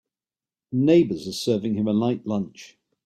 The neighbors are serving him a light lunch.